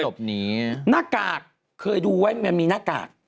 หน้ากากเคยดูไว้มันมีหน้ากาก